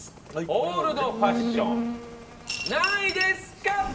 オールドファッション何位ですか？